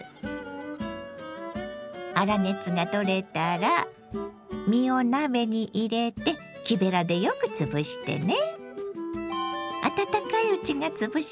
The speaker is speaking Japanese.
粗熱が取れたら実を鍋に入れて木べらでよくつぶしてね。